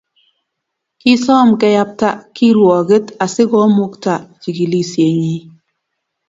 Kisom keyapta kirwoket asikomukta chikilisienyi